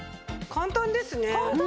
簡単ですよね。